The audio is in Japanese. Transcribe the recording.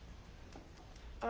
あ。